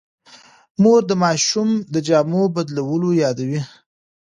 مور د ماشوم د جامو بدلول یادوي.